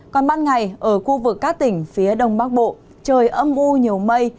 còn ban ngày ở khu vực các tỉnh phía đông bắc bộ trời âm u nhiều mây